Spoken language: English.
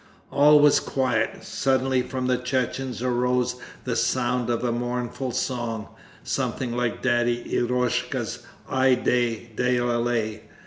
All was quiet. Suddenly from the Chechens arose the sound of a mournful song, something like Daddy Eroshka's 'Ay day, dalalay.'